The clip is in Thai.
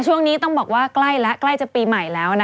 ช่วงนี้ต้องบอกว่าใกล้จะปีใหม่แล้ว